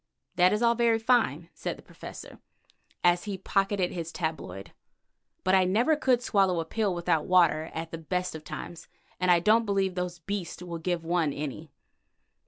"That is all very fine," said the Professor as he pocketed his tabloid, "but I never could swallow a pill without water at the best of times, and I don't believe those beasts will give one any.